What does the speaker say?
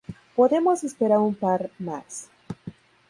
Podemos esperar un par más"".